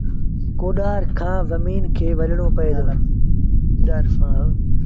ڪوڏآر سآݩ زميݩ کي ولڻون پئي دو